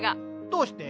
どうして？